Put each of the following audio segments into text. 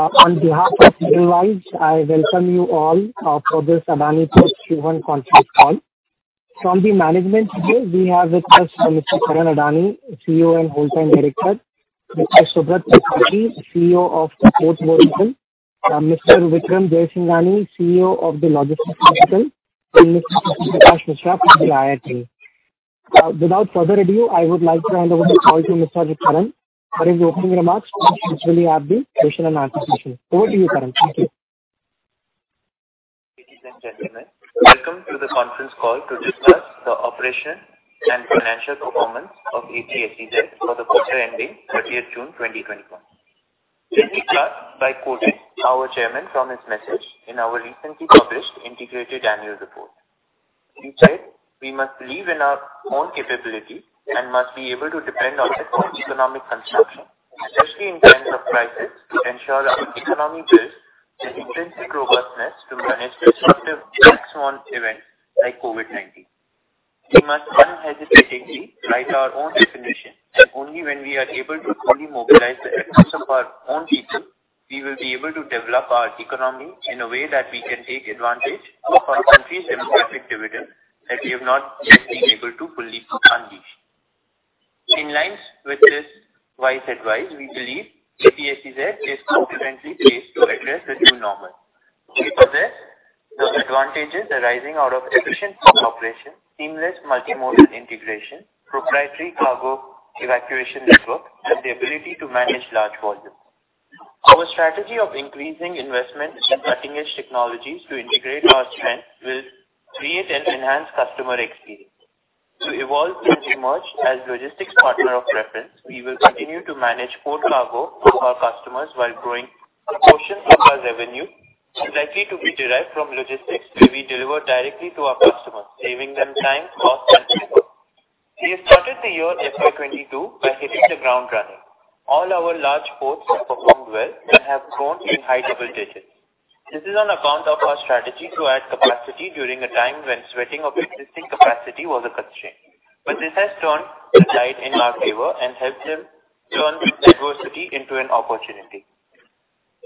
On behalf of Edelweiss, I welcome you all for this Adani Ports Q1 Conference Call. From the management here, we have with us Mr. Karan Adani, CEO and Whole Time Director, Mr. Subrat Tripathy, CEO of Ports Business, Mr. Vikram Jaisinghani, CEO of the Logistics Business, and [inaudible] IR team. Without further ado, I would like to hand over the call to Mr. Karan for his opening remarks and then we'll have the question and answer session. Over to you, Karan. Thank you. Ladies and gentlemen, welcome to the conference call to discuss the operation and financial performance of APSEZ for the quarter ending 30th June 2021. Let me start by quoting our chairman from his message in our recently published integrated annual report. He said, "We must believe in our own capability and must be able to depend on our economic consumption, especially in times of crisis, to ensure our economy builds the intrinsic robustness to manage disruptive black swan events like COVID-19. We must unhesitatingly write our own definition, that only when we are able to fully mobilize the efforts of our own people, we will be able to develop our economy in a way that we can take advantage of our country's demographic dividend that we have not yet been able to fully unleash." In lines with this wise advice, we believe APSEZ is confidently placed to address the new normal. We possess those advantages arising out of efficient port operation, seamless multimodal integration, proprietary cargo evacuation network, and the ability to manage large volumes. Our strategy of increasing investment in cutting-edge technologies to integrate our strength will create an enhanced customer experience. To evolve and emerge as logistics partner of reference, we will continue to manage port cargo for our customers while growing a portion of our revenue likely to be derived from logistics, where we deliver directly to our customers, saving them time, cost, and people. We have started the year FY 2022 by hitting the ground running. All our large ports have performed well and have grown in high double digits. This is on account of our strategy to add capacity during a time when sweating of existing capacity was a constraint. This has turned the tide in our favor and helped them turn this adversity into an opportunity.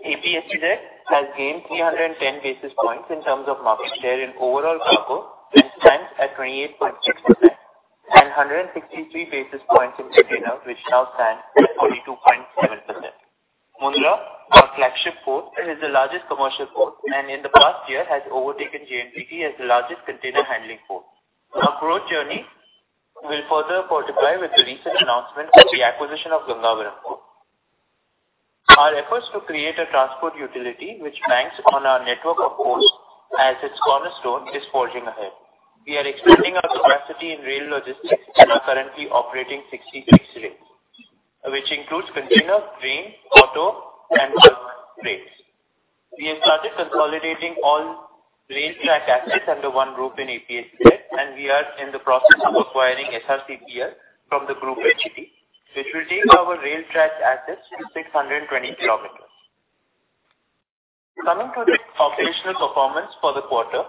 APSEZ has gained 310 basis points in terms of market share in overall cargo, which stands at 28.6%, and 163 basis points in container, which now stands at 42.7%. Mundra, our flagship port, is the largest commercial port, and in the past year has overtaken JNPT as the largest container handling port. Our growth journey will further fortify with the recent announcement of the acquisition of Mundra Port. Our efforts to create a transport utility, which banks on our network of ports as its cornerstone, is forging ahead. We are expanding our capacity in rail logistics and are currently operating 66 rails, which includes container, grain, auto, and bulk rails. We have started consolidating all rail track assets under one roof in APSEZ, and we are in the process of acquiring SRCPL from the group HDB, which will take our rail track assets to 620 kilometers. Coming to the operational performance for the quarter,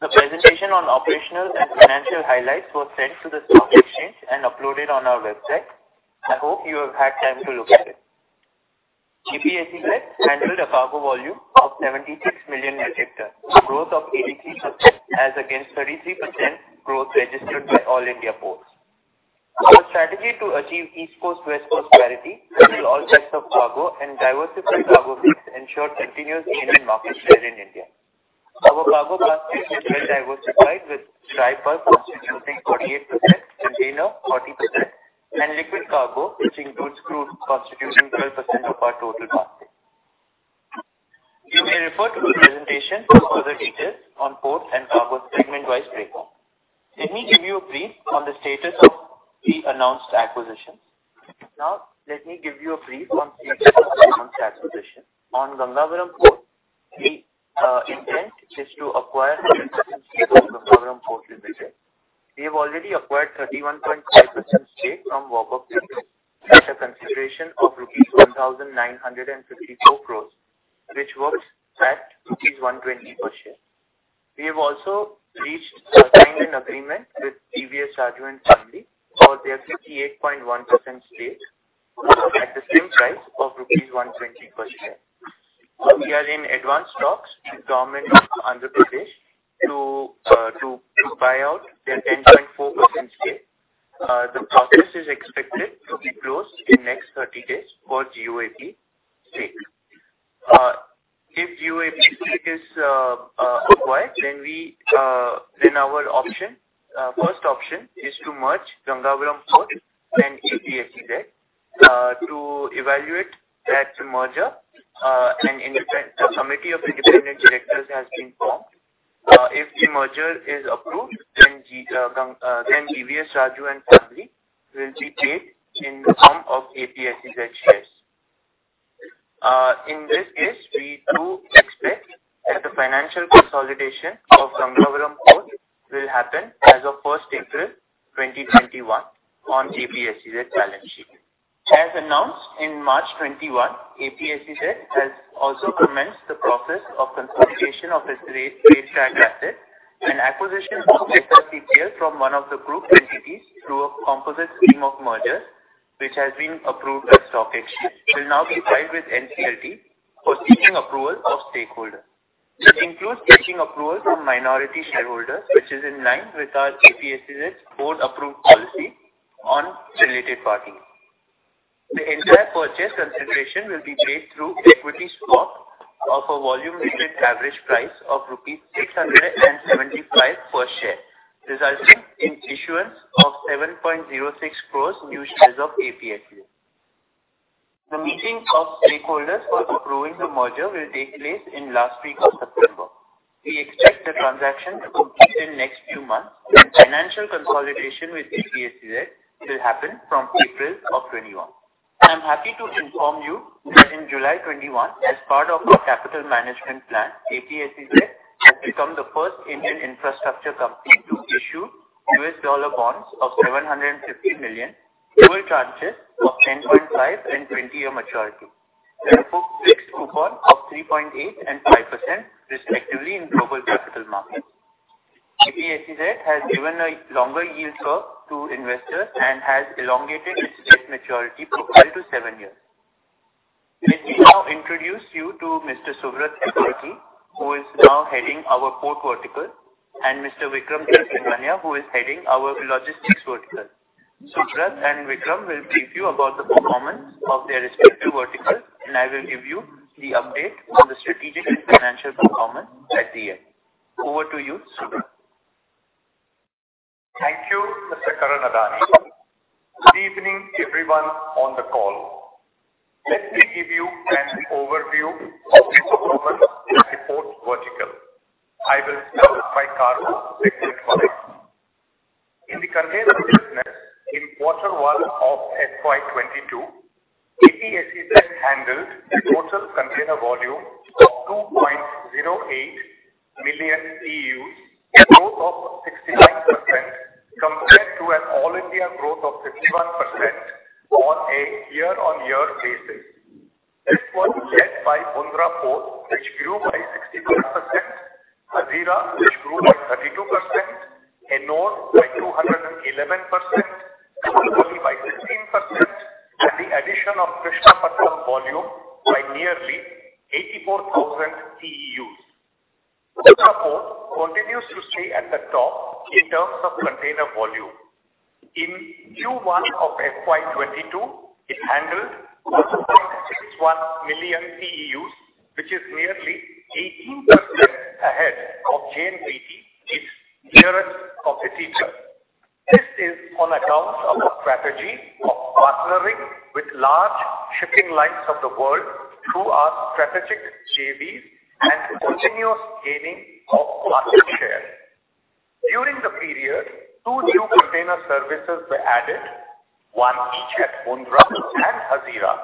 the presentation on operational and financial highlights was sent to the stock exchange and uploaded on our website. I hope you have had time to look at it. APSEZ handled a cargo volume of 76 million metric tons, growth of 83% as against 33% growth registered by all India ports. Our strategy to achieve East Coast, West Coast parity handle all types of cargo and diversify cargo mix ensure continuous gain in market share in India. Our cargo basket is well-diversified with dry bulk constituting 48%, container 40%, and liquid cargo, which includes crude constituting 12% of our [inaudible] Total. You may refer to the presentation for the details on port and cargo segment-wise breakdown. Let me give you a brief on the status of the announced acquisitions. Let me give you a brief on status of announced acquisition. On, [inaudible] the intent is to acquire 100% stake of Gangavaram Port Limited. We have already acquired 31.5% stake from [inaudible] at a consideration of rupees 1,954 crores, which works at rupees 120 per share. We have also reached and signed an agreement with D. V. S. Raju and family for their 58.1% stake at the same price of rupees 120 per share. We are in advanced talks with Government of Andhra Pradesh to buy out their 10.4% stake. The process is expected to be closed in next 30 days for GoAP stake. If GoAP stake is acquired, our first option is to merge Gangavaram Port and APSEZ. To evaluate that merger, a committee of independent directors has been formed. If the merger is approved, D. V. S. Raju and family will be paid in the form of APSEZ shares. In this case, we do expect that the financial consolidation of Gangavaram Port will happen as of 1st April 2021 on APSEZ balance sheet. As announced in March 2021, APSEZ has also commenced the process of consolidation of its rail track asset, an acquisition of [inaudible] from one of the group entities through a composite scheme of merger, which has been approved by stock exchange, will now be filed with NCLT for seeking approval of stakeholders. This includes seeking approval from minority shareholders, which is in line with our APSEZ board approved policy on related parties. The entire purchase consideration will be paid through equity swap of a volume weighted average price of rupees 675 per share, resulting in issuance of 7.06 crore new shares of APSEZ. The meeting of stakeholders for approving the merger will take place in last week of September. We expect the transaction to complete in next few months and financial consolidation with APSEZ will happen from April of 2021. I'm happy to inform you that in July 2021, as part of our capital management plan, APSEZ has become the first Indian infrastructure company to issue U.S. dollar bonds of $750 million, dual tranches of 10.5 and 20-year maturity with a fixed coupon of 3.8% and 5% respectively in global capital markets. APSEZ has given a longer yield curve to investors and has elongated its debt maturity profile to seven years. Let me now introduce you to Mr. Subrat Tripathy, who is now heading our port vertical, and Mr. Vikram Jaisinghani, who is heading our logistics vertical. Subrat and Vikram will brief you about the performance of their respective vertical, I will give you the update on the strategic and financial performance at the end. Over to you, Subrat. Thank you, Mr. Karan Adani. Good evening everyone on the call. Let me give you an overview of the performance at the port vertical. I will start with my cargo segment first. In the container business in quarter one of FY 2022, APSEZ handled a total container volume of 2.08 million TEUs, a growth of 69% compared to an all-India growth of 51% on a year-on-year basis. This was led by Mundra Port, which grew by 61%, Hazira which grew by 32%, Ennore by 211%, Tuticorin by 15%, and the addition of [inaudible] volume by nearly 84,000 TEUs. Mundra Port continues to stay at the top in terms of container volume. In Q1 of FY 2022, it handled 2.61 million TEUs, which is nearly 18% ahead of JNPT, its nearest competitor. This is on account of a strategy of partnering with large shipping lines of the world through our strategic JVs and continuous gaining of market share. During the period, two new container services were added, one each at Mundra and Hazira,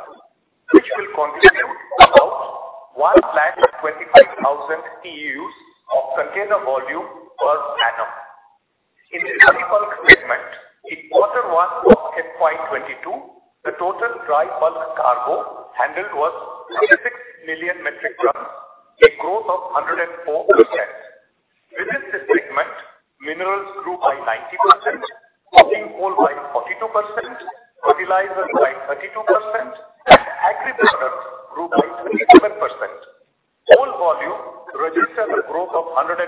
which will contribute about 125,000 TEUs of container volume per annum. In the dry bulk segment, in quarter one of FY 2022, the total dry bulk cargo handled was 66 million metric tons, a growth of 104%. Within this segment, minerals grew by 90%, coking coal by 42%, fertilizers by 32%, and agri products grew by 27%. Coal volume registered a growth of 126%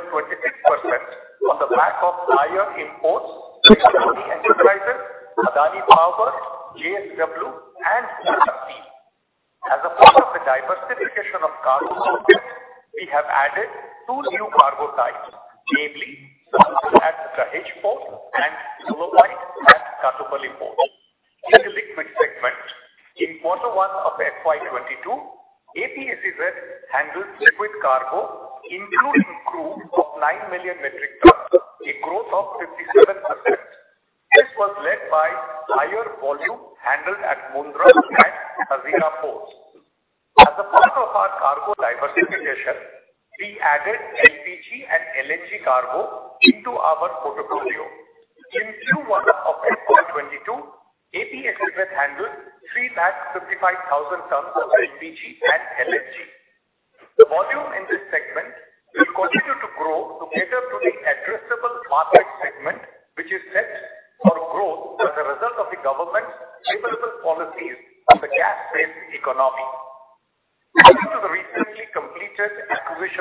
on the back of higher imports by Adani Enterprises, Adani Power, JSW, and NTPC. As a part of the diversification of cargo mix, we have added two new cargo types, namely sulfur at Dahej Port and sillimanite at Tuticorin Port. In the liquid segment, in Q1 of FY 2022, APSEZ handled liquid cargo including crude of 9 million metric tons, a growth of 57%. This was led by higher volume handled at Mundra and Hazira ports. As a part of our cargo diversification, we added LPG and LNG cargo into our portfolio. In Q1 of FY 2022, APSEZ handled 3.55 lakh tons of LPG and LNG. The volume in this segment will continue to grow to cater to the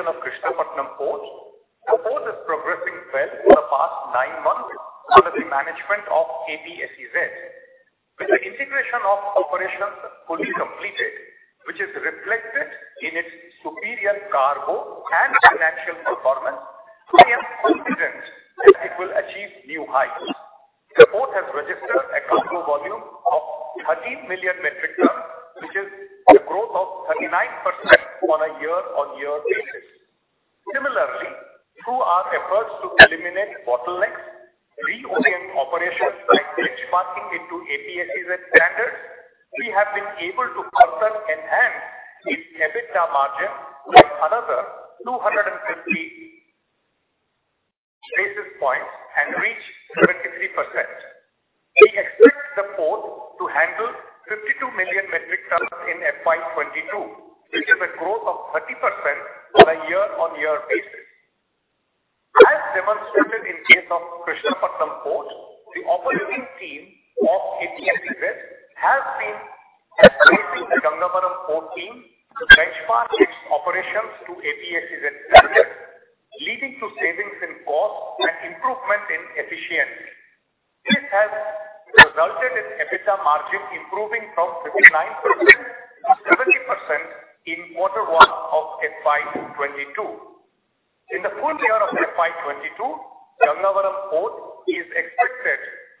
addressable market segment, which is set for growth as a result of the government's favorable policies on the gas-based economy. Coming to the recently completed acquisition of Krishnapatnam Port, the port is progressing well in the past nine months under the management of APSEZ. With the integration of operations fully completed, which is reflected in its superior cargo and financial performance, we are confident that it will achieve new heights. The port has registered a cargo volume of 13 million metric tons, which is a growth of 39% on a year-on-year basis. Similarly, through our efforts to eliminate bottlenecks, reorient operations by benchmarking it to APSEZ standards, we have been able to further enhance its EBITDA margin by another 250 basis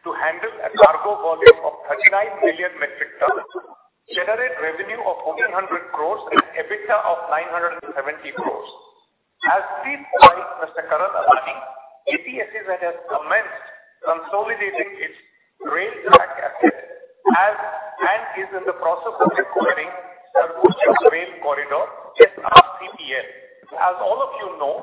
points and reach 73%. We expect the port to handle 52 million metric tons in FY 2022, which is a growth of 30% on a year-on-year basis. As demonstrated in case of Krishnapatnam Port, the operating team of APSEZ has been assisting the Gangavaram Port team to benchmark its operations to APSEZ standards leading to savings in cost and improvement in efficiency. This has resulted in EBITDA margin improving from 59%-70% in quarter one of FY 2022. In the full year of FY 2022, Gangavaram Port is expected to handle a cargo volume of 39 million metric tons, generate revenue of INR 1,400 crores and EBITDA of INR 970 crores. As briefed by Mr. Karan Adani, APSEZ has commenced consolidating its rail rack asset and is in the process of acquiring Sarguja Rail Corridor, SRCPL. As all of you know,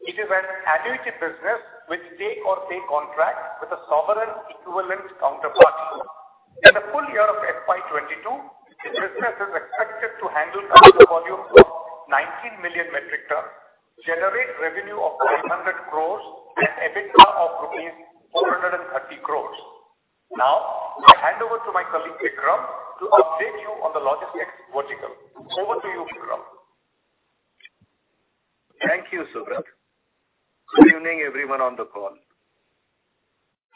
it is an annuity business with take-or-pay contract with a sovereign equivalent counterparty. In the full year of FY 2022, this business is expected to handle a cargo volume of 19 million metric tons, generate revenue of 900 crores and EBITDA of rupees 430 crores. Now I hand over to my colleague Vikram to update you on the logistics vertical. Over to you, Vikram. Thank you, Subrat. Good evening, everyone on the call.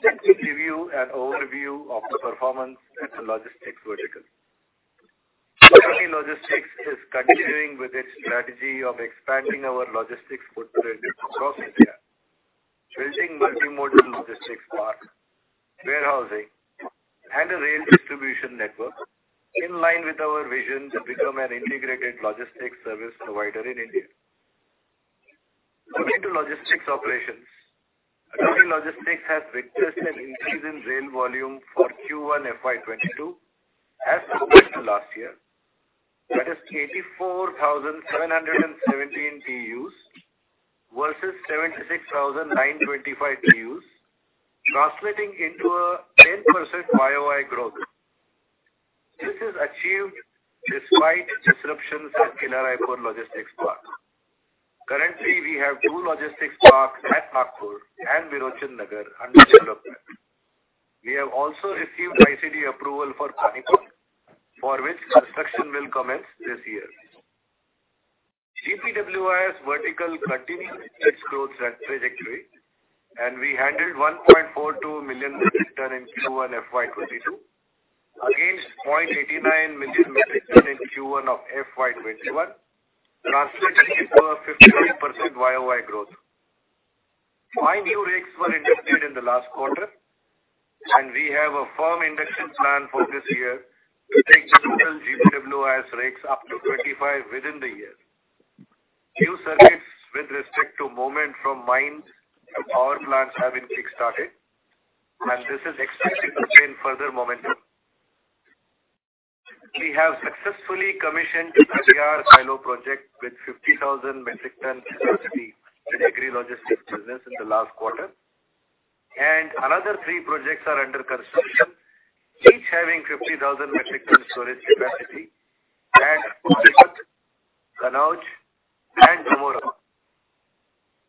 Let me give you an overview of the performance at the logistics vertical. Adani Logistics is continuing with its strategy of expanding our logistics footprint across India, building multimodal logistics parks, warehousing, and a rail distribution network in line with our vision to become an integrated logistics service provider in India. Looking to logistics operations, Adani Logistics has witnessed an increase in rail volume for Q1 FY 2022 as compared to last year. That is 84,717 TEUs versus 76,925 TEUs, translating into a 10% YOY growth. This is achieved despite disruptions at Kila Raipur Logistics Park. Currently, we have two logistics parks at Nagpur and Virochannagar under development. We have also received ICD approval for, [inaudible] for which construction will commence this year. GPWIS vertical continues its growth trajectory, and we handled 1.42 million metric ton in Q1 FY 2022 against 0.89 million metric ton in Q1 of FY 2021, translating into a 53% year-over-year growth. Five new rakes were inducted in the last quarter, and we have a firm induction plan for this year to take total GPWIS rakes up to 25 within the year. New surveys with respect to movement from mines to power plants have been kickstarted, and this is expected to gain further momentum. We have successfully commissioned the Katihar Silo project with 50,000 metric ton capacity in agri logistics business in the last quarter, and another three projects are under construction, each having 50,000 metric ton storage capacity at. [inaudible]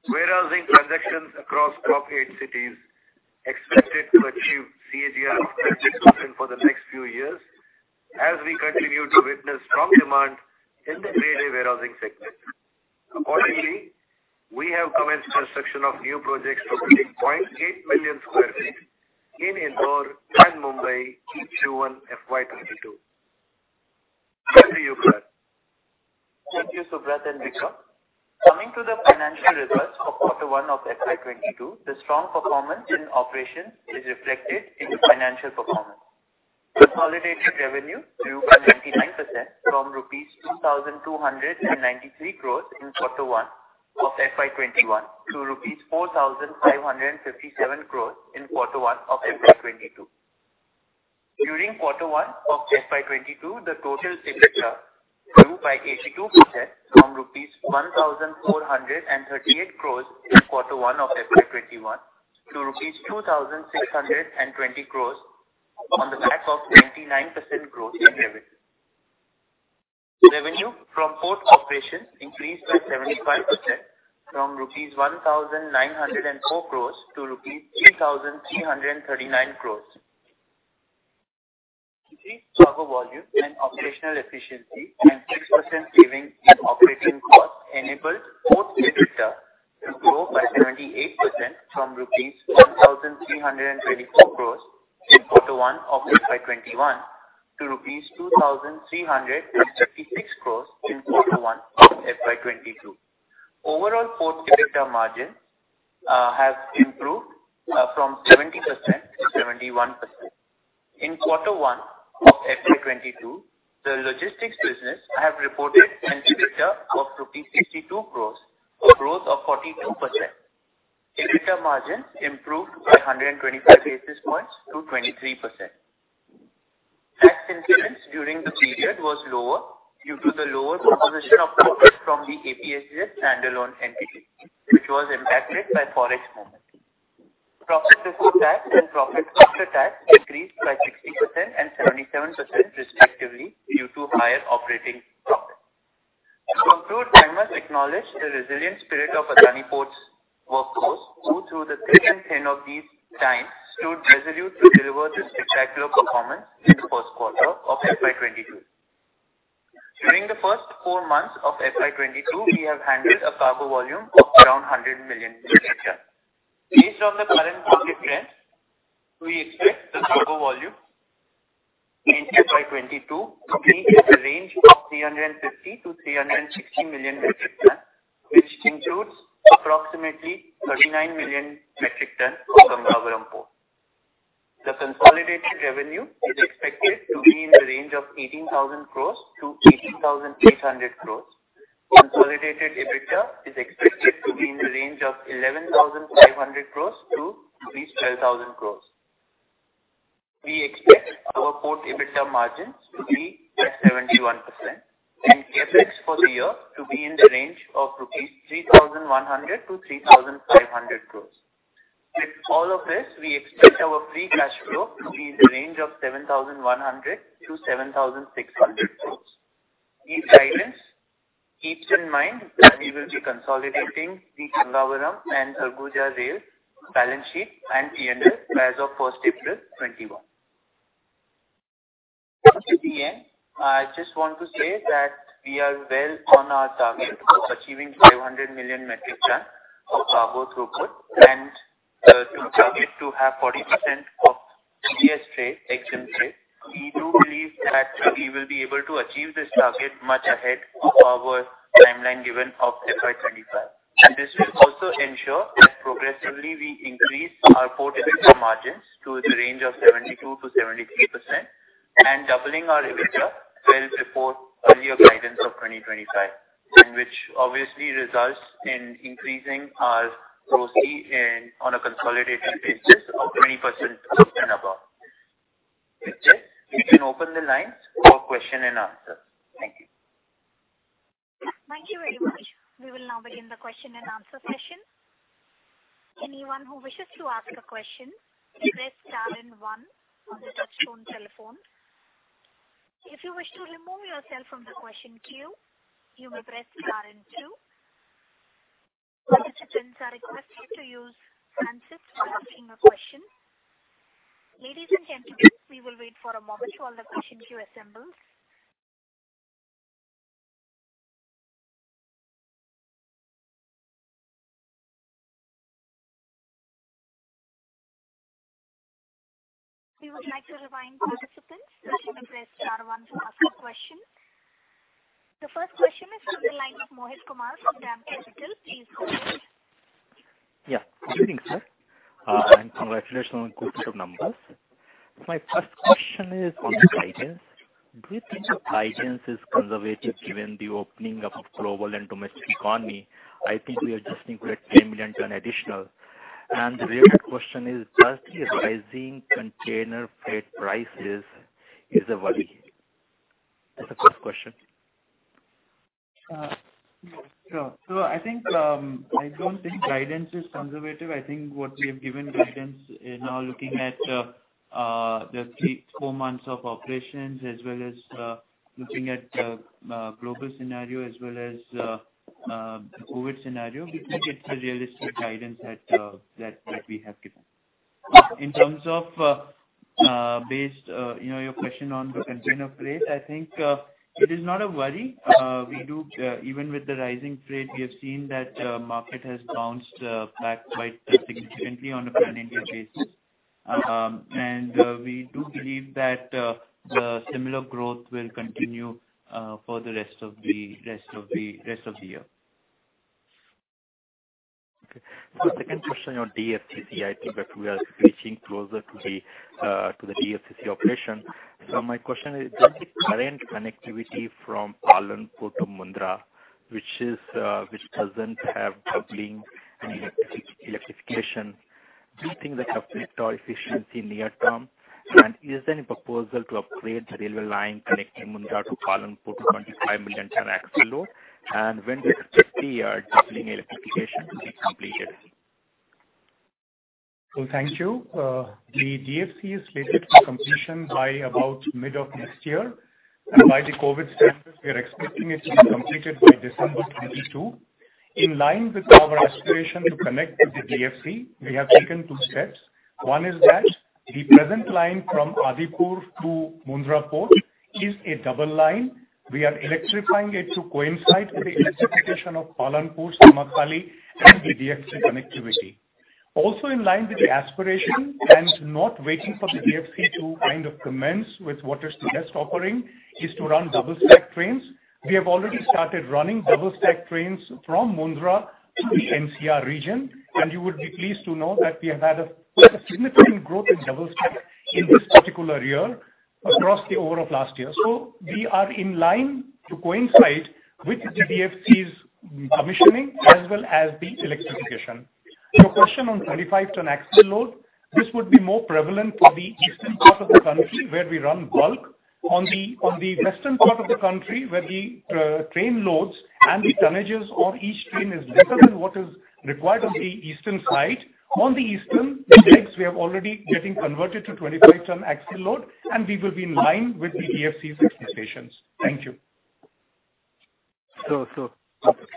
Warehousing transactions across top-eight cities expected to achieve CAGR of 30% for the next few years as we continue to witness strong demand in the grade A warehousing sector. Accordingly, we have commenced construction of new projects totaling 0.8 million sq ft in Indore and Mumbai in Q1 FY 2022. Back to you, Karan. Thank you, Subrat and Vikram. Coming to the financial results of quarter one of FY 2022, the strong performance in operations is reflected in the financial performance. Consolidated revenue grew by 99% from 2,293 crores rupees in quarter one of FY 2021 to 4,557 crores rupees in quarter one of FY 2022. During quarter one of FY 2022, the total EBITDA grew by 82% from 1,438 crores rupees in quarter one of FY 2021 to rupees 2,620 crores on the back of 99% growth in revenue. Revenue from port operations increased by 75%, from INR 1,904 crores-INR 3,339 crores. Increased cargo volume and operational efficiency and 6% savings in operating costs enabled port EBITDA to grow by 78%, from rupees 1,324 crores in quarter one of FY 2021 to INR 2,336 crores in quarter one of FY 2022. Overall port EBITDA margin has improved from 70%-71%. In quarter one of FY 2022, the logistics business have reported an EBITDA of 62 crores rupees, a growth of 42%. EBITDA margins improved by 125 basis points to 23%. During the period was lower due to the lower contribution of profit from the APSEZ standalone entity, which was impacted by forex movement. Profit before tax and profit after tax increased by 60% and 77%, respectively, due to higher operating profit. To conclude, I must acknowledge the resilient spirit of Adani Ports' workforce, who through the thick and thin of these times, stood resolute to deliver this spectacular performance in the first quarter of FY 2022. During the first four months of FY 2022, we have handled a cargo volume of around 100 million metric ton. Based on the current positive trends, we expect the cargo volume in FY 2022 to be in the range of 350 million-360 million metric tons, which includes approximately 39 million metric tons from Visakhapatnam Port. The consolidated revenue is expected to be in the range of 18,000 crores-18,800 crores. Consolidated EBITDA is expected to be in the range of 11,500 crores-12,000 crores. We expect our port EBITDA margins to be at 71%, and CapEx for the year to be in the range of INR 3,100 crores-INR 3,500 crores. With all of this, we expect our free cash flow to be in the range of 7,100 crores-7,600 crores. This guidance keeps in mind that we will be consolidating the Visakhapatnam and Sarguja Rail balance sheet and P&L as of April 1, 2021. Coming to the end, I just want to say that we are well on our target of achieving 500 million metric tons of cargo throughput and the target to have 40% of [inaudible] trade, EXIM trade. We do believe that we will be able to achieve this target much ahead of our timeline given of FY 2025. This will also ensure that progressively we increase our port EBITDA margins to the range of 72%-73%, doubling our EBITDA well before earlier guidance of 2025, which obviously results in increasing our [inaudible] on a consolidated basis of 20% and above. With this, you can open the lines for question and answer. Thank you. Thank you very much. We will now begin the question and answer session. Anyone who wishes to ask a question, press star and one on the touchtone telephone. If you wish to remove yourself from the question queue, you may press star and two. Participants are requested to use handsets for asking a question. Ladies and gentlemen, we will wait for a moment while the question queue assembles. We would like to remind participants that you may press star one to ask a question. The first question is on the line of Mohit Kumar from DAM Capital. Please go ahead. Yeah. Good evening, sir, and congratulations on good set of numbers. My first question is on the guidance. Do you think the guidance is conservative given the opening up of global and domestic economy? I think we are just looking at 10 million ton additional. The related question is, does the rising container freight prices is a worry? That's the first question. Sure. I think, I don't think guidance is conservative. I think what we have given guidance is now looking at the three, four months of operations, as well as looking at the global scenario as well as the COVID scenario. We think it's a realistic guidance that we have given. In terms of based your question on the container freight, I think it is not a worry. Even with the rising freight, we have seen that market has bounced back quite significantly on a pan-India basis. We do believe that the similar growth will continue for the rest of the year. Okay. Second question on DFCC, I think that we are reaching closer to the DFCC operation. My question is, does the current connectivity from Palanpur to Mundra, which doesn't have doubling and electrification, do you think that affect our efficiency near term? Is there any proposal to upgrade the railway line connecting Mundra to Palanpur to 25 million ton axle load? When do you expect the doubling electrification to be completed? Thank you. The DFC is slated for completion by about mid of next year. By the COVID status, we are expecting it to be completed by December 2022. In line with our aspiration to connect with the DFC, we have taken two steps. One is that the present line from Adipur to Mundra Port is a double line. We are electrifying it to coincide with the electrification of, [inaudible] and the DFC connectivity. In line with the aspiration and not waiting for the DFC to commence with what is the best offering is to run double stack trains. We have already started running double stack trains from Mundra to the NCR region. You would be pleased to know that we have had a significant growth in double stack in this particular year across the over of last year. We are in line to coincide with the DFC's commissioning as well as the electrification. Your question on 25 ton axle load, this would be more prevalent for the eastern part of the country where we run bulk. On the western part of the country, where the train loads and the tonnages on each train is lesser than what is required on the eastern side. On the eastern legs, we are already getting converted to 25 ton axle load, and we will be in line with the DFC specifications. Thank you. If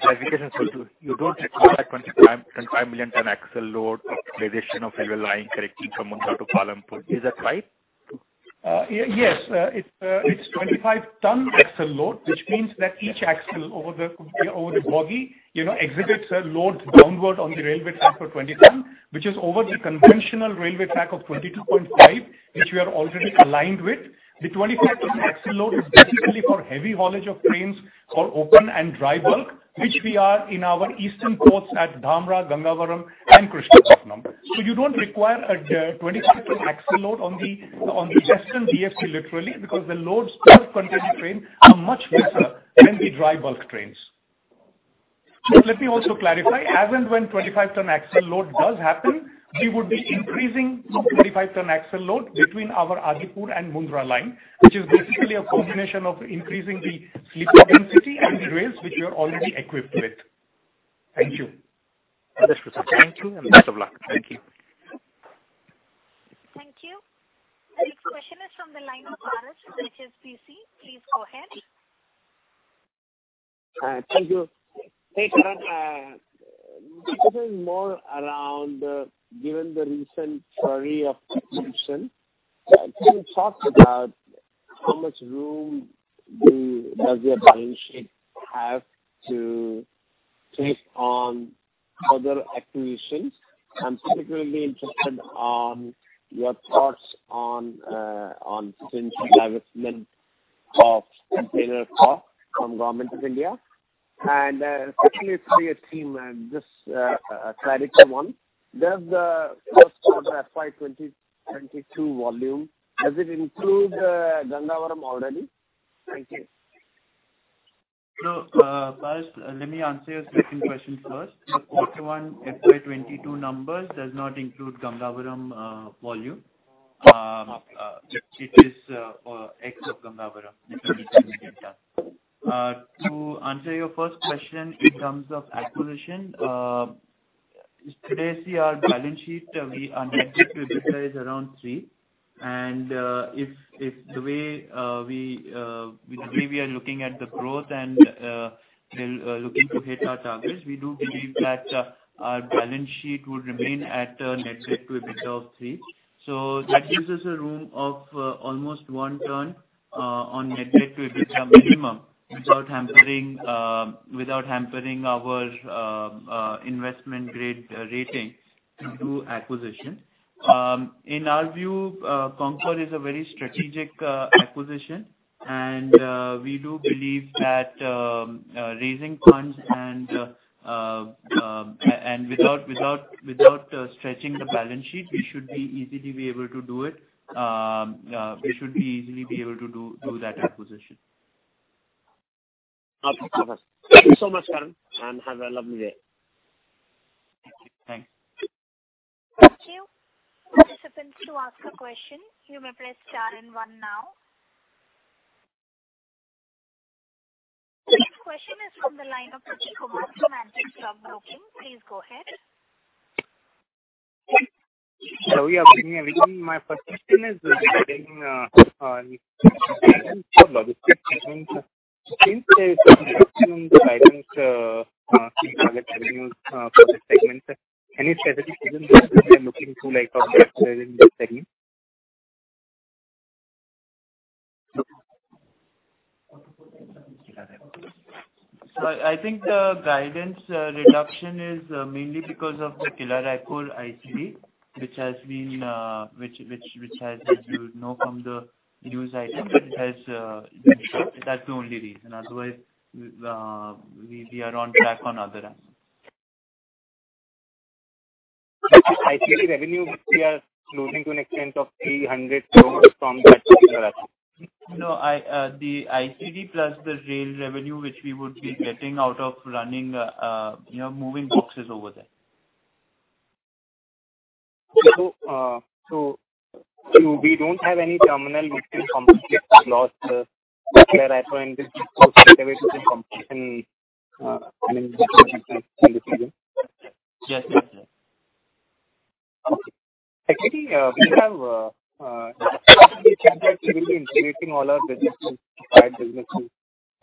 I get it, you don't require 25 million tons axle load optimization of rail line connecting from Mundra to Palanpur. Is that right? Yes. It's 25 ton axle load, which means that each axle over the bogie exhibits a load downward on the railway track for 25, which is over the conventional railway track of 22.5, which we are already aligned with. You don't require a 25 ton axle load on the western DFC literally because the loads per container train are much lesser than the dry bulk trains. Let me also clarify, as and when 25 ton axle load does happen, we would be increasing 25 ton axle load between our Adipur and Mundra line, which is basically a combination of increasing the sleeper density and the rails which we are already equipped with. Thank you. Understood, sir. Thank you, and best of luck. Thank you. Thank you. The next question is from the line of, [inaudible] HSBC. Please go ahead. Thank you. Hey, Karan. A little more around given the recent flurry of acquisition, can you talk about how much room does your balance sheet have to take on further acquisitions? I'm specifically interested on your thoughts on potential divestment of container port from Government of India. Secondly, sorry, team, just a clarity one. Does the first quarter FY 2022 volume, does it include Gangavaram already? Thank you. First, let me answer your second question first. The Q1 FY 2022 numbers does not include Gangavaram volume. It is ex of Gangavaram in terms of done. To answer your first question in terms of acquisition, today see our balance sheet, our net debt to EBITDA is around three. With the way we are looking at the growth and looking to hit our targets, we do believe that our balance sheet would remain at a net debt to EBITDA of three. That gives us a room of almost one turn on net debt to EBITDA minimum without hampering our investment grade rating through acquisition. In our view, CONCOR is a very strategic acquisition, and we do believe that raising funds and without stretching the balance sheet, we should easily be able to do that acquisition. Okay, perfect. Thank you so much, Karan, and have a lovely day. Thank you. Thank you. Participants who want to ask a question, you may press star and one now. The next question is from the line of [inaudible] Kumar from. [inaudible] Please go ahead. Yeah, my first question is regarding guidance for logistics segments. Since there is some reduction in the guidance, seeing lower revenues for this segment. Any specific reason you are looking to like upgrade within this segment? I think the guidance reduction is mainly because of the Kila Raipur ICD, which as you know from the news item, that's the only reason. Otherwise, we are on track on other items. ICD revenue, we are losing to an extent of 300 crores from that Kila Raipur? No, the ICD plus the rail revenue which we would be getting out of running moving boxes over there. We don't have any terminal which can compensate the loss of Kila Raipur in this quarter, which is in comparison, I mean, this season? Yes. Okay. Actually, we have integrating all our logistics, five businesses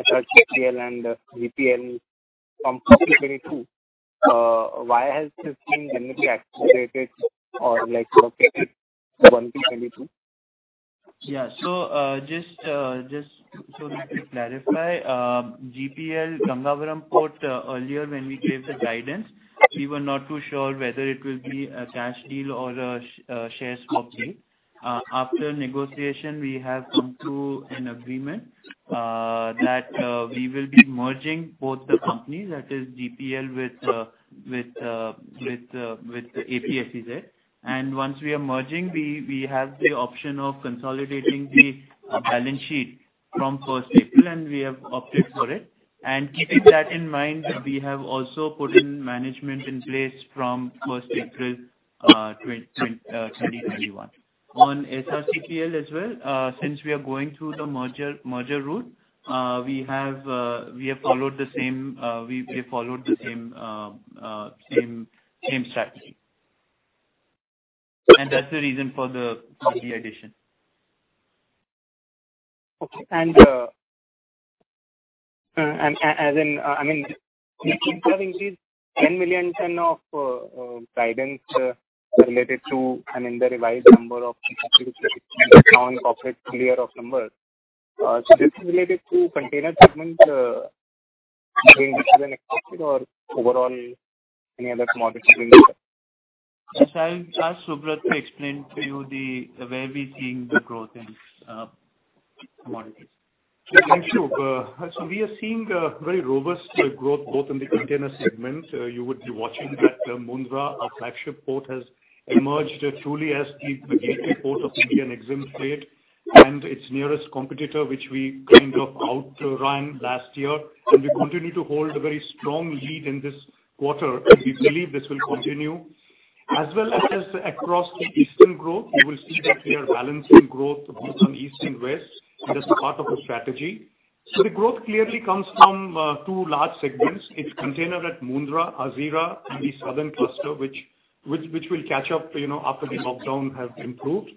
such as [inaudible] from 2022. Why has this been generally accelerated or allocated to 2022? Yeah. Just to clarify, GPL Gangavaram Port, earlier when we gave the guidance, we were not too sure whether it will be a cash deal or a share swap deal. After negotiation, we have come to an agreement that we will be merging both the companies, that is GPL with APSEZ. Once we are merging, we have the option of consolidating the balance sheet from 1st April, and we have opted for it. Keeping that in mind, we have also put in management in place from 1st April 2021. On SRCPL as well, since we are going through the merger route, we have followed the same strategy. That's the reason for the 30 addition. Okay. We keep hearing this 10 million tons of guidance related to, and in the revised number of now incorporated full year numbers. This is related to container segment than expected or overall any other commodities? I'll ask Subrat to explain to you where we are seeing the growth in commodities. Thank you. We are seeing a very robust growth both in the container segment. You would be watching that Mundra, our flagship port has emerged truly as the gateway port of Indian exim trade and its nearest competitor, which we kind of outran last year. We continue to hold a very strong lead in this quarter, and we believe this will continue. As well as across the Eastern growth, you will see that we are balancing growth both on East and West as a part of our strategy. The growth clearly comes from two large segments. It's container at Mundra, Hazira, and the southern cluster, which will catch up after the lockdown has improved.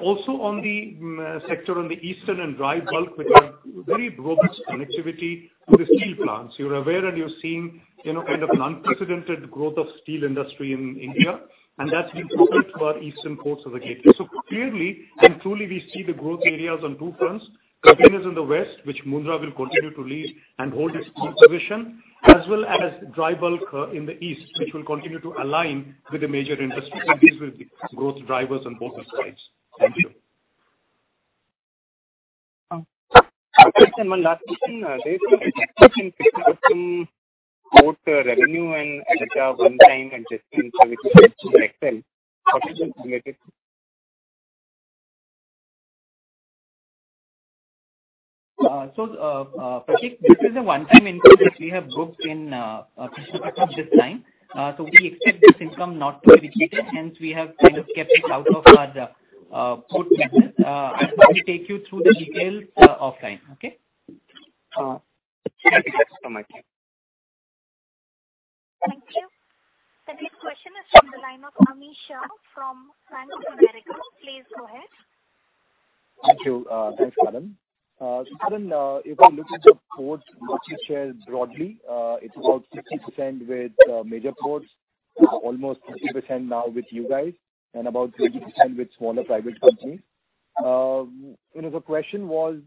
Also on the sector on the eastern and dry bulk, which have very robust connectivity to the steel plants. You're aware and you're seeing an unprecedented growth of steel industry in India, and that's been to our eastern ports of the gateway. Clearly, and truly we see the growth areas on two fronts, containers in the West, which Mundra will continue to lead and hold its position, as well as dry bulk in the East, which will continue to align with the major industries. These will be growth drivers on both the sides. Thank you. [inaudible] port revenue and one time adjustments which is direct sell. What is this related to? [inaudible] this is a one-time income that we have booked in [inaudible] this time. We expect this income not to be repeated, hence we have kept it out of our port business. I probably take you through the details offline. Okay? Okay. Thanks so much. Thank you. The next question is from the line of Amish Shah from Bank of America. Please go ahead. Thank you. Thanks, Karan. Karan, if I look at the ports market share broadly, it's about 50% with major ports, almost 30% now with you guys and about 20% with smaller private companies. The question was,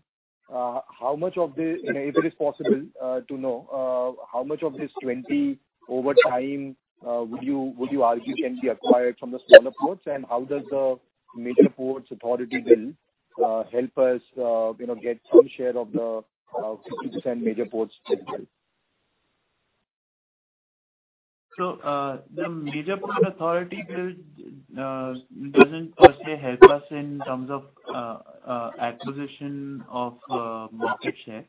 if it is possible to know how much of this 20% over time would you argue can be acquired from the smaller ports? How does the Major Ports Authority Bill help us get some share of the 50% major ports? The Major Port Authorities Bill doesn't per se help us in terms of acquisition of market share.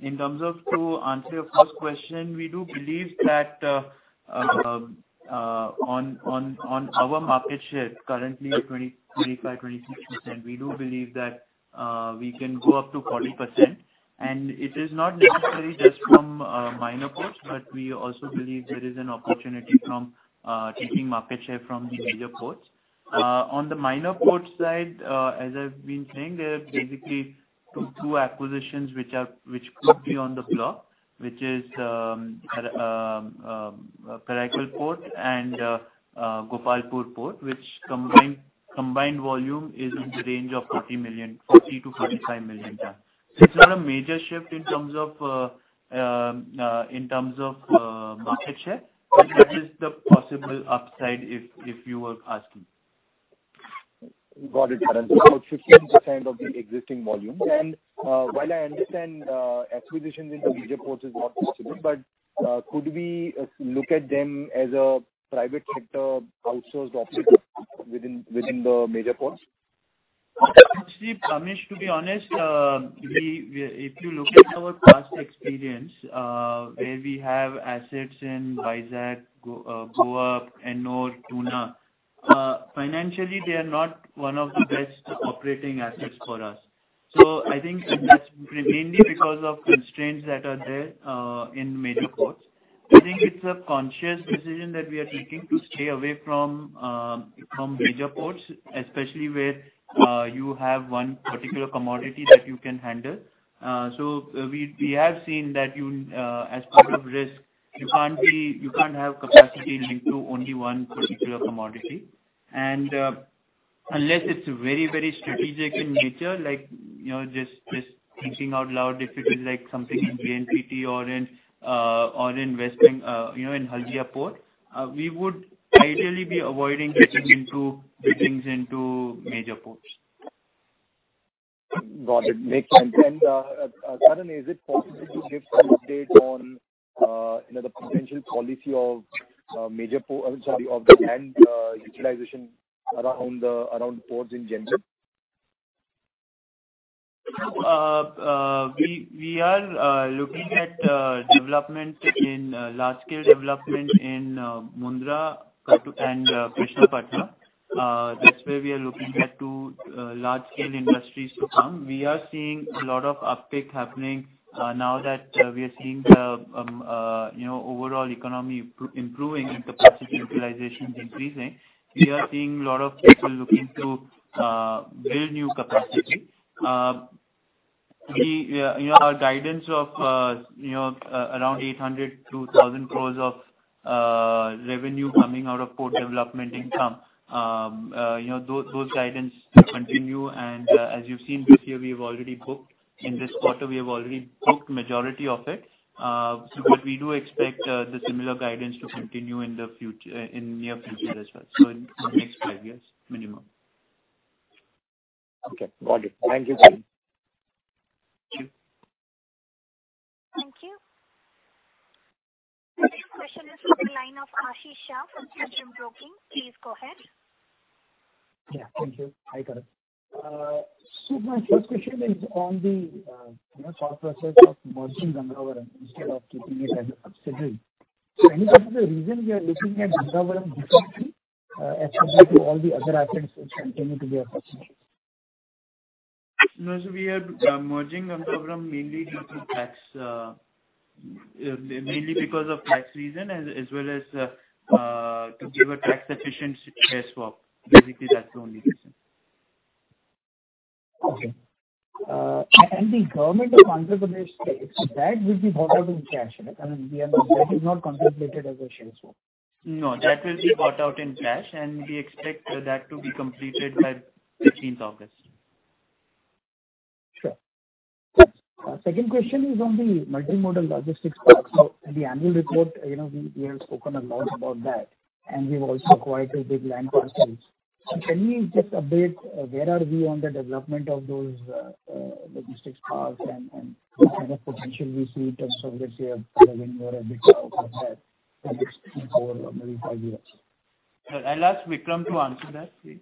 In terms of to answer your first question, we do believe that on our market share, currently at 25%, 26%, we do believe that we can go up to 40%. It is not necessarily just from minor ports, but we also believe there is an opportunity from taking market share from the major ports. On the minor port side, as I've been saying, there are basically two acquisitions which could be on the block, which is Karaikal Port and Gopalpur Port, which combined volume is in the range of 40 million-45 million tons. It's not a major shift in terms of market share. That is the possible upside if you were asking. Got it, Karan. About 15% of the existing volume. While I understand acquisition into major ports is not possible, could we look at them as a private sector outsourced option within the major ports? Amish, to be honest, if you look at our past experience where we have assets in Vizag, Goa, Ennore, Tuticorin. Financially they are not one of the best operating assets for us. I think that's mainly because of constraints that are there in major ports. I think it's a conscious decision that we are taking to stay away from major ports, especially where you have one particular commodity that you can handle. We have seen that as part of risk, you can't have capacity linked to only one particular commodity. Unless it's very strategic in nature, like, just thinking out loud, if it is like something in JNPT or in West Bengal, in Haldia Port, we would ideally be avoiding getting into major ports. Got it. Makes sense. Karan, is it possible to give some update on the potential policy of the land utilization around ports in general? We are looking at large-scale development in Mundra and Krishnapatnam. That's where we are looking at two large-scale industries to come. We are seeing a lot of uptick happening now that we are seeing the overall economy improving and capacity utilization increasing. We are seeing a lot of people looking to build new capacity. Our guidance of around 800 crore-1,000 crore of revenue coming out of port development income. Those guidance continue and as you've seen this year, we have already booked. In this quarter, we have already booked majority of it. We do expect the similar guidance to continue in near future as well. In next five years minimum. Okay. Got it. Thank you, sir. Thank you. The next question is from the line of [inaudible] from Spectrum Broking. Please go ahead. Yeah. Thank you. Hi, Karan. My first question is on the thought process of merging Gangavaram instead of keeping it as a subsidiary. Any particular reason we are looking at Gangavaram differently as compared to all the other assets which continue to be a subsidiary? No. We are merging Gangavaram mainly because of tax reason as well as to give a tax-efficient share swap. Basically, that's the only reason. Okay. The Government of Andhra Pradesh stake, so that will be bought out in cash, right? I mean, that is not contemplated as a share swap. No, that will be bought out in cash. We expect that to be completed by 15th August. Sure. Second question is on the multi-modal logistics park. In the annual report, we have spoken a lot about that, and we've also acquired two big land parcels. Can we just update where are we on the development of those logistics parks and what kind of potential we see in terms of, let's say, a revenue or EBITDA over the next three, four, or maybe five years? I'll ask Vikram to answer that, please.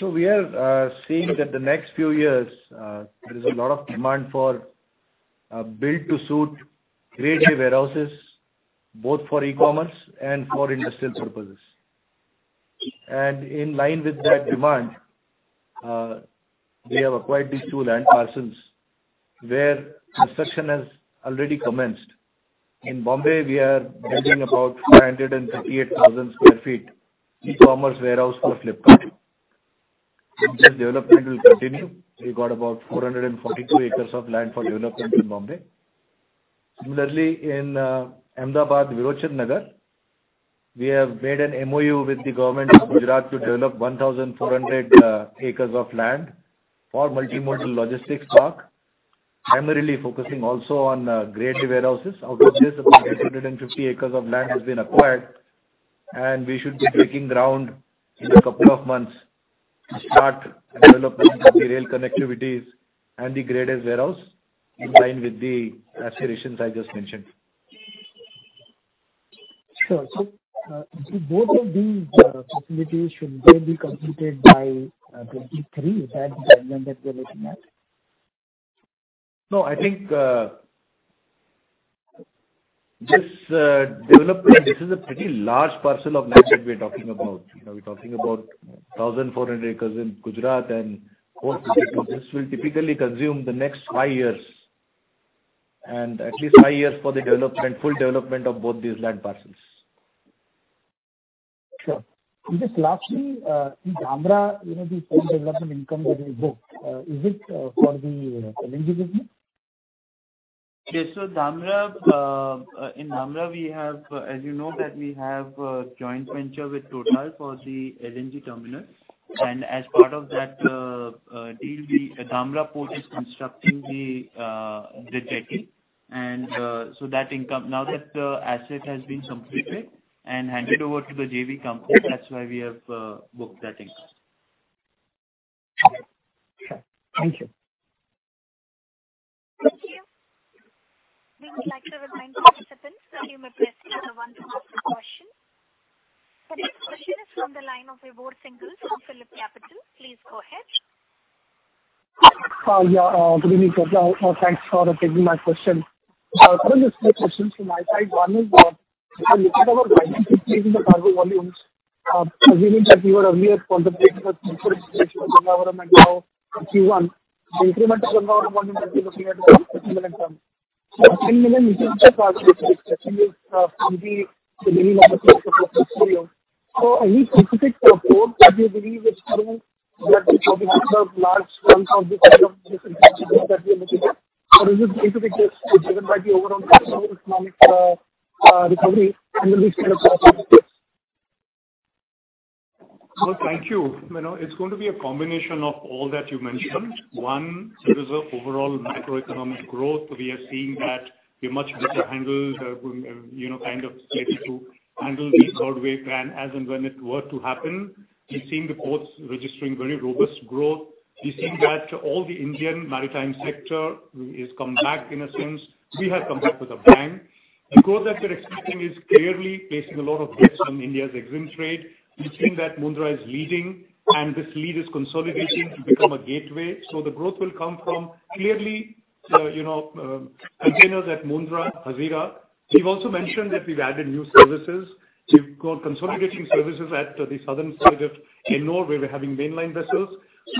We are seeing that the next few years, there is a lot of demand for build-to-suit grade-A warehouses, both for e-commerce and for industrial purposes. In line with that demand, we have acquired these two land parcels where construction has already commenced. In Bombay, we are building about 438,000 sq ft e-commerce warehouse for. [inaudible] That development will continue. We got about 442 acres of land for development in Bombay. Similarly, in Ahmedabad, Virochannagar, we have made an MoU with the Government of Gujarat to develop 1,400 acres of land for multi-modal logistics park, primarily focusing also on grade-A warehouses. Out of this, about 850 acres of land has been acquired, and we should be breaking ground in a couple of months to start development of the rail connectivities and the grade-A warehouse in line with the aspirations I just mentioned. Sure. Both of these facilities, should they be completed by 2023? Is that the timeline that we're looking at? I think this development, this is a pretty large parcel of land that we're talking about. We're talking about 1,400 acres in Gujarat and 450 acres. This will typically consume the next five years, and at least five years for the full development of both these land parcels. Sure. Just lastly, in Dhamra, the port development income that we booked, is it for the LNG business? Yes. Dhamra. In Dhamra, as you know that we have a joint venture with total for the LNG terminal. As part of that deal, the Dhamra port is constructing the jetty. Now that the asset has been completed and handed over to the JV company, that's why we have booked that income. Okay. Thank you. Thank you. We would like to remind participants that you may press star one to ask a question. The next question is from the line of Vibhor Singhal from PhillipCapital. Please go ahead. Good evening. Thanks for taking my question. Karan, there's two questions from my side. One is, looking at our guidance for change in the cargo volumes, assuming that you were earlier contemplating a potential acquisition of Gangavaram and now from Q1, the incremental Gangavaram volume that you're looking at is 15 million tons. 15 million is such a large number, especially with maybe the benign outlook for fiscal year. Any specific cohorts that you believe is driving that, which probably could serve large chunks of this incremental capacity that we are looking at? Is this going to be just driven by the overall macroeconomic recovery and then these kind of capacities? Well, thank you. It's going to be a combination of all that you mentioned. There is an overall macroeconomic growth. We are seeing that we're much better handled, kind of steady to handle the third wave, and as and when it were to happen. We're seeing the ports registering very robust growth. We're seeing that all the Indian maritime sector is come back in a sense. We have come back with a bang. The growth that we're expecting is clearly placing a lot of bets on India's EXIM trade. You've seen that Mundra is leading, and this lead is consolidating to become a gateway. The growth will come from clearly containers at Mundra, Hazira. We've also mentioned that we've added new services. We've got consolidating services at the southern side of Ennore, where we're having mainline vessels.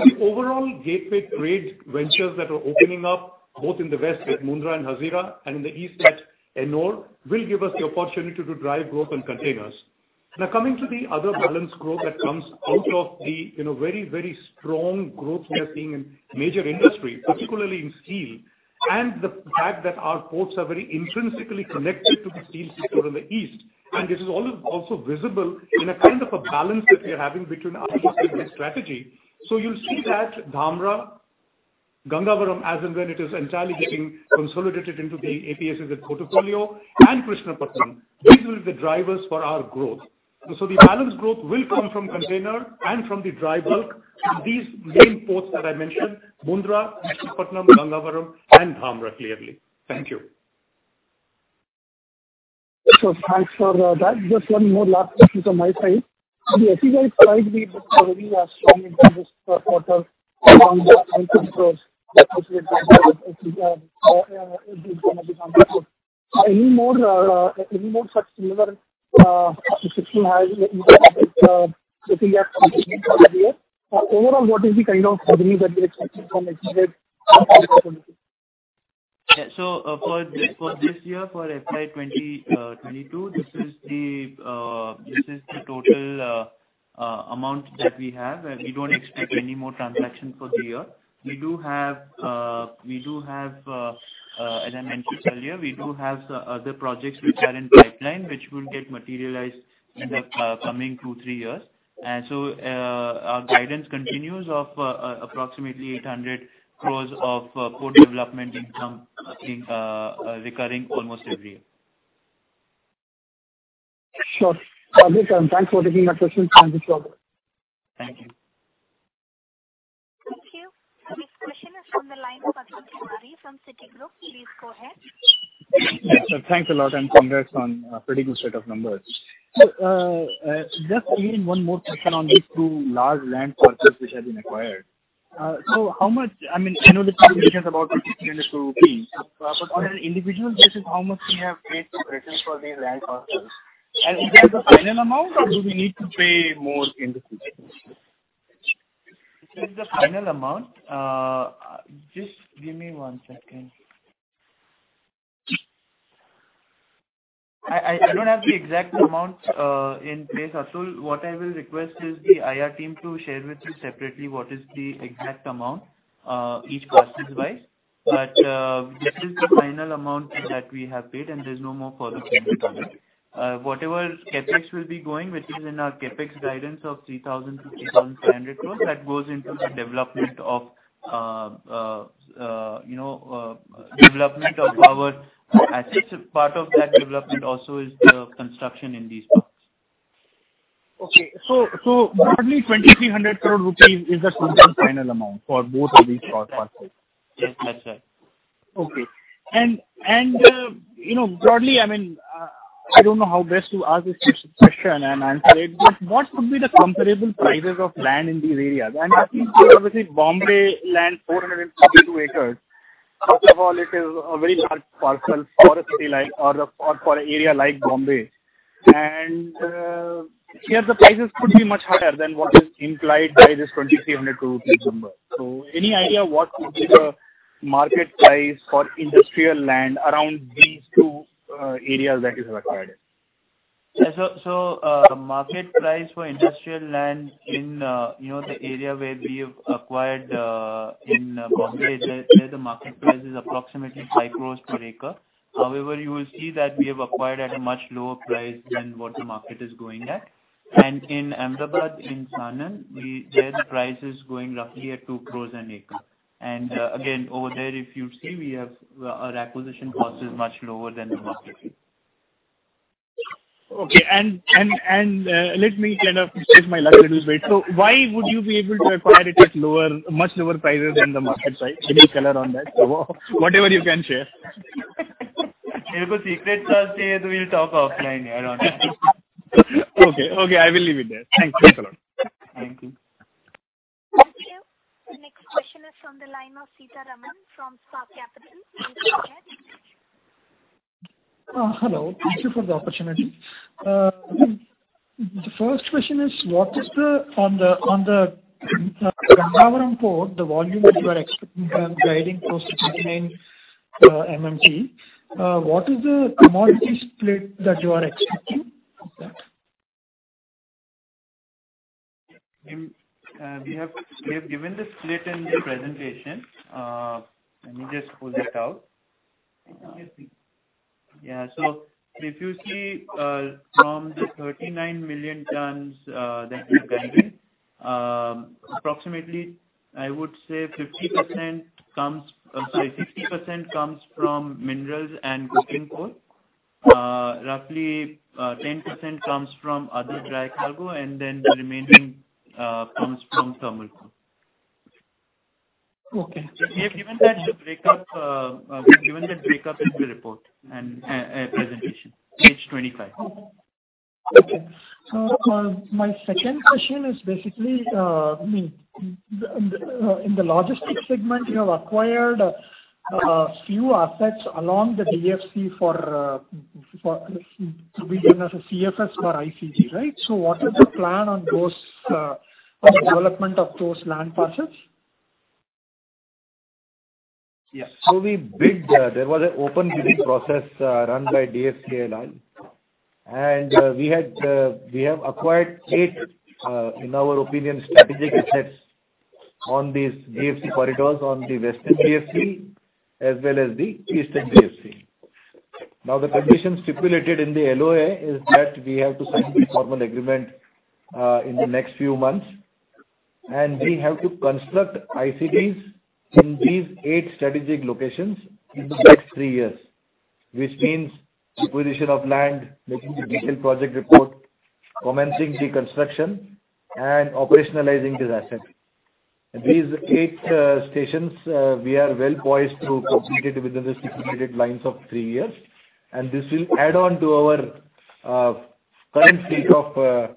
The overall gateway trade ventures that are opening up, both in the west at Mundra and Hazira, and in the east at Ennore, will give us the opportunity to drive growth and containers. Coming to the other balance growth that comes out of the very strong growth we are seeing in major industry, particularly in steel, and the fact that our ports are very intrinsically connected to the steel sector in the East, and this is also visible in a kind of a balance that we are having between our strategic strategy. You'll see that Dhamra, Gangavaram, as and when it is entirely getting consolidated into the APSEZ portfolio, and. [inaudible] These will be the drivers for our growth. The balance growth will come from container and from the dry bulk. These main ports that I mentioned, Mundra, Visakhapatnam, Gangavaram, and Dhamra, clearly. Thank you. Sure. Thanks for that. Just one more last question from my side. The ACIR price we booked already are strong into this quarter on the INR 800 crores that which will go with ACIR. Any more such similar acquisition has, in the habit, looking at completing for the year? Overall, what is the kind of revenue that you're expecting from ACIR for this year? For this year, for FY 2022, this is the total amount that we have, and we don't expect any more transaction for the year. As I mentioned earlier, we do have other projects which are in pipeline, which will get materialized in the coming two, three years. Our guidance continues of approximately 800 crores of port development income recurring almost every year. Sure. [inaudible] Thanks for taking. [inaudible] Thank you. Thank you. The next question is from the line of Atul Tiwari from Citigroup. Please go ahead. Yes, sir. Thanks a lot, and congrats on a pretty good set of numbers. Just again, one more question on these two large land parcels which have been acquired. I know the presentation is about 2,300 rupees, but on an individual basis, how much we have paid to [inaudible] for these land parcels? Is that the final amount, or do we need to pay more in the future? This is the final amount. Just give me one second. I don't have the exact amount in place, Atul. What I will request is the IR team to share with you separately what is the exact amount each parcels-wise. This is the final amount that we have paid, and there's no more further payment on it. Whatever CapEx will be going, which is in our CapEx guidance of 3,000 crore-3,500 crore, that goes into the development of our assets. Part of that development also is the construction in these ports. Okay. broadly, 2,300 crore rupees is the total final amount for both of these four parcels. Yes, that's right. Okay. Broadly, I don’t know how best to ask this question and answer it, but what could be the comparable prices of land in these areas? At least here, obviously Bombay land, 432 acres. First of all, it is a very large parcel for a city like or for an area like Bombay. Here, the prices could be much higher than what is implied by this 2,300 crore rupees number. Any idea what could be the market price for industrial land around these two areas that you have acquired? Market price for industrial land in the area where we have acquired in Bombay, there the market price is approximately 5 crore per acre. However, you will see that we have acquired at a much lower price than what the market is going at. In Ahmedabad, in Sanand, there the price is going roughly at 2 crore an acre. Again, over there, if you see, our acquisition cost is much lower than the market. Okay. Let me kind of test my luck little bit. Why would you be able to acquire it at much lower prices than the market price? A little color on that. Whatever you can share. If you want secrets, we'll talk offline. I don't want to. Okay. I will leave it there. Thanks. Thanks a lot. Thank you. Thank you. The next question is from the line of [inaudible] from Spark Capital. Please go ahead. Hello. Thank you for the opportunity. The first question is, on the Gangavaram Port, the volume that you are expecting and guiding for 39 MMT, what is the commodity split that you are expecting? We have given the split in the presentation. Let me just pull that out. If you see from the 39 million tons that we are guiding, approximately I would say 50% comes from minerals and coking coal. Roughly 10% comes from other dry cargo, and then the remaining comes from thermal coal. Okay. We have given that breakup in the report and presentation, page 25. Okay. My second question is, basically, in the logistics segment, you have acquired a few assets along the DFC to be used as a CFS for ICD, right? What is the plan on the development of those land parcels? Yes. We bid. There was an open bidding process run by DFCCIL, and we have acquired eight, in our opinion, strategic assets on these DFC corridors on the western DFC as well as the eastern DFC. The condition stipulated in the LOA is that we have to sign the formal agreement, in the next few months, and we have to construct ICDs in these eight strategic locations in the next three years. Which means acquisition of land, making the detailed project report, commencing the construction and operationalizing this asset. These eight stations, we are well-poised to complete it within the stipulated lines of three years. This will add on to our current fleet of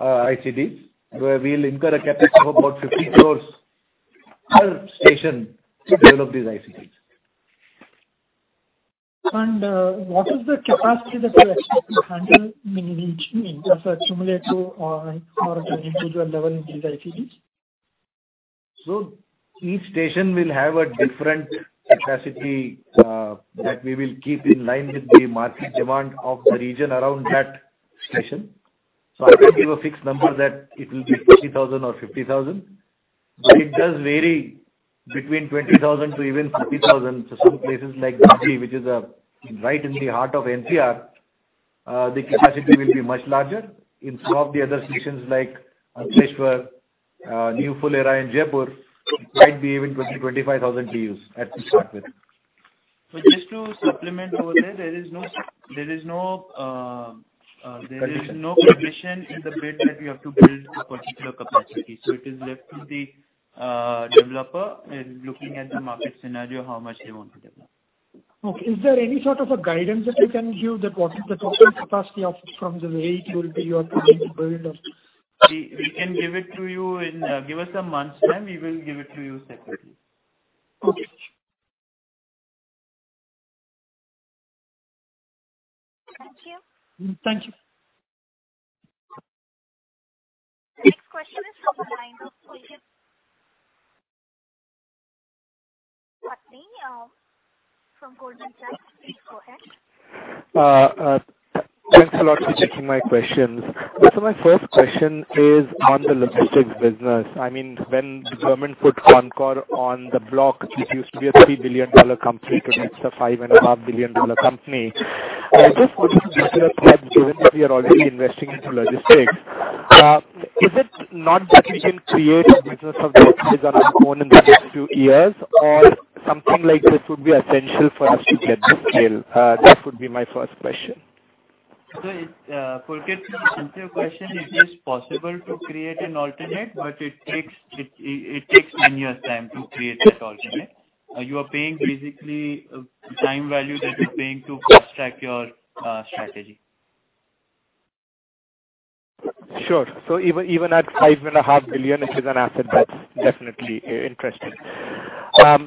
ICD, where we'll incur a CapEx of about 50 crores per station to develop these ICDs. What is the capacity that you expect to handle in each, as accumulated or at an individual level in these ICDs? Each station will have a different capacity that we will keep in line with the market demand of the region around that station. I can't give a fixed number that it will be 20,000 or 50,000. It does vary between 20,000-50,000. Some places like, [inaudible] which is right in the heart of NCR, the capacity will be much larger. In some of the other stations like, [inaudible] New Phulera in Jaipur, it might be even between 25,000 TEUs at the start with. Just to supplement over there. There is no condition in the bid that we have to build a particular capacity. It is left to the developer, looking at the market scenario, how much they want to develop. Okay. Is there any sort of a guidance that you can give that what is the total capacity from the very it will be your planned build? We can give it to you. Give us a month's time, we will give it to you separately. Okay. Thank you. Thank you. The next question is from the line of Pulkit Patni from Goldman Sachs. Please go ahead. Thanks a lot for taking my questions. My first question is on the logistics business. When the government put CONCOR on the block, which used to be a $3 billion company, today it's a $5 billion and above dollar company. I just wanted to get your thoughts, given that we are already investing into logistics, is it not that we can create a business of this size on our own in the next few years or something like this would be essential for us to get the scale? That would be my first question. Pulkit, to answer your question, it is possible to create an alternate, but it takes 10 years time to create that alternate. You are paying basically time value that you're paying to fast-track your strategy. Sure. Even at $5.5 billion, it is an asset that's definitely interesting. My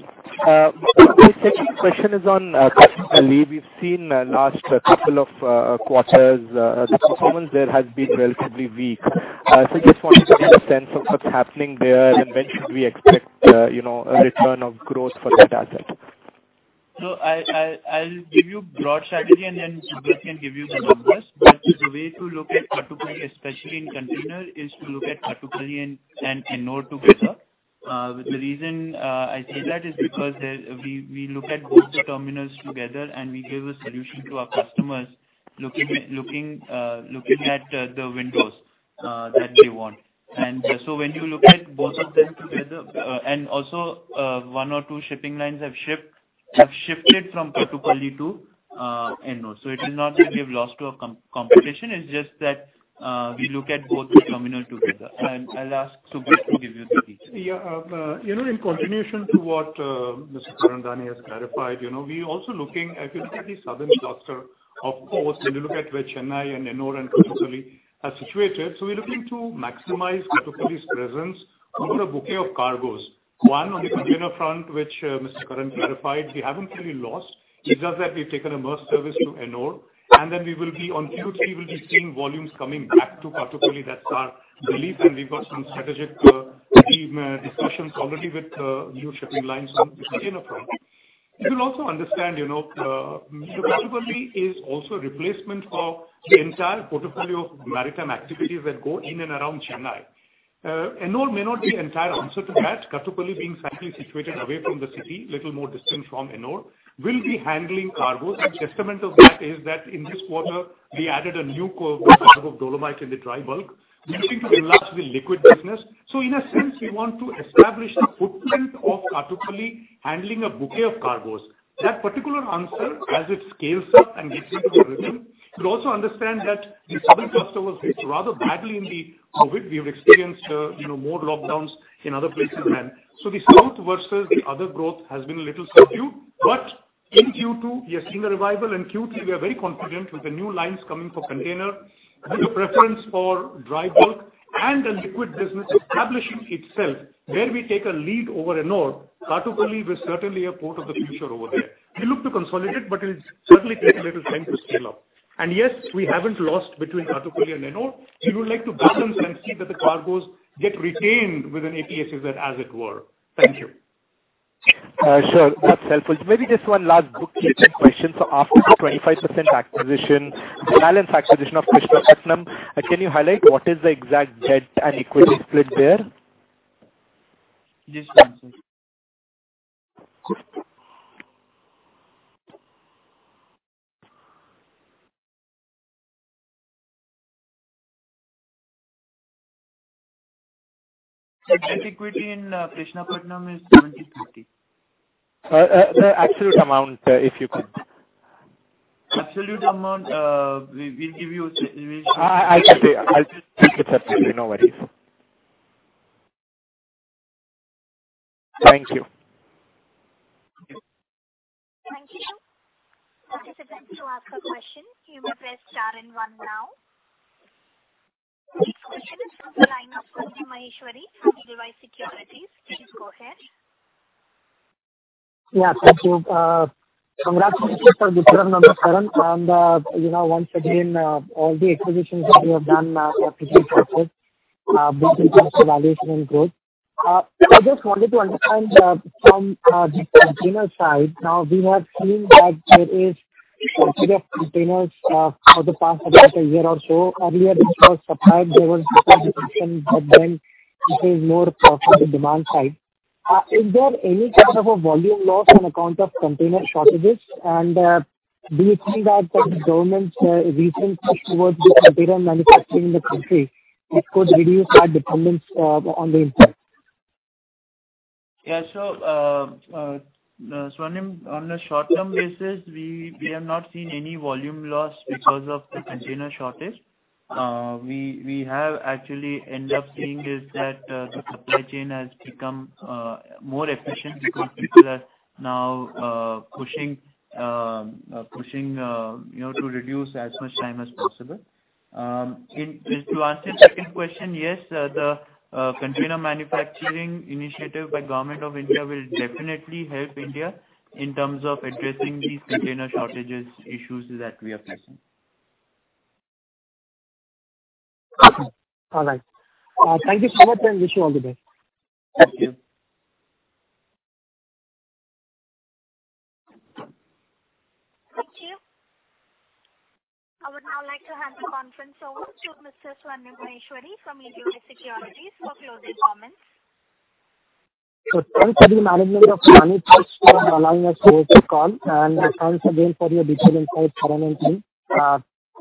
second question is on. [inaudible] We've seen last couple of quarters, the performance there has been relatively weak. Just wanted to get a sense of what's happening there and when should we expect a return of growth for that asset? I'll give you broad strategy and then Subrat can give you the numbers. The way to look at Kattupalli, especially in container, is to look at Kattupalli and Ennore together. The reason I say that is because we look at both the terminals together and we give a solution to our customers looking at the windows that they want. When you look at both of them together, and also one or two shipping lines have shifted from Kattupalli to Ennore. It is not that we have lost to a competition, it's just that we look at both the terminals together. I'll ask Subrat to give you the details. Yeah. In continuation to what Mr. Karan Adani has clarified, we're also looking at the southern cluster of ports when you look at where Chennai and Ennore and Kattupalli are situated. We're looking to maximize Kattupalli's presence over a bouquet of cargos. One, on the container front, which Mr. Karan clarified, we haven't really lost. It's just that we've taken a berth service to Ennore, and then on Q3 we'll be seeing volumes coming back to Kattupalli. That's our belief, and we've got some strategic discussions already with new shipping lines from the container front. You will also understand, Kattupalli is also a replacement for the entire portfolio of maritime activities that go in and around Chennai. Ennore may not be entire answer to that. Kattupalli being slightly situated away from the city, little more distant from Ennore, will be handling cargos. Testament of that is that in this quarter, we added a new cargo, dolomite in the dry bulk. We're looking to enlarge the liquid business. In a sense, we want to establish a footprint of Kattupalli handling a bouquet of cargos. That particular answer, as it scales up and gets into the rhythm, you could also understand that the southern cluster was hit rather badly in the COVID. We have experienced more lockdowns in other places than. The south versus the other growth has been a little subdued. In Q2, we are seeing a revival, and Q3, we are very confident with the new lines coming for container, with the preference for dry bulk and the liquid business establishing itself where we take a lead over Ennore. Kattupalli was certainly a port of the future over there. We look to consolidate, but it will certainly take a little time to scale up. Yes, we haven't lost between Kattupalli and Ennore. We would like to balance and see that the cargoes get retained within APSEZ as it were. Thank you. Sure. That's helpful. Maybe just one last book-keeping question. After the 25% acquisition, balance acquisition of Krishnapatnam, can you highlight what is the exact debt and equity split there? [inaudible] equity in Krishnapatnam is 70/30. The absolute amount, if you could. Absolute amount, we will give you. I can take it that way. No worries. Thank you. [inaudible] To ask a question you may press star and one now. The next question is from the line of Swarnim Maheshwari from Edelweiss Securities. Please go ahead. Yeah, thank you. Congratulations on the results, Karan, and once again, all the acquisitions that you have done so far valuation growth. I just wanted to understand from the container side, now we have seen that there is shortage of containers for the past about a year or so. Earlier this was supplied but then this is more from the demand side. Is there any kind of a volume loss on account of container shortages? Do you think that the government's recent push towards the container manufacturing in the country could reduce our dependence on the import? Swarnim, on a short-term basis, we have not seen any volume loss because of the container shortage. We have actually ended up seeing is that the supply chain has become more efficient because people are now pushing to reduce as much time as possible. To answer your second question, yes, the container manufacturing initiative by Government of India will definitely help India in terms of addressing these container shortages issues that we are facing. All right. Thank you so much, and wish you all the best. Thank you. Thank you. I would now like to hand the conference over to Mr. Swarnim Maheshwari from Edelweiss Securities for closing comments. Thanks to the management of Adani Ports for allowing us to be on the call, and thanks again for your detailed insights, Karan and team.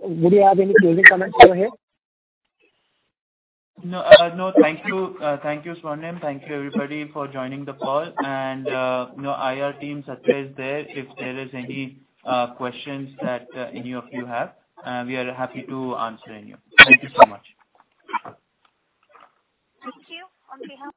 Would you have any closing comments to add? No. Thank you, Swarnim. Thank you, everybody, for joining the call. IR team, [inaudible] is there if there is any questions that any of you have. We are happy to answer any of them. Thank you so much. Thank you. On behalf.